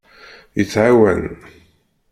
Yettɛawan.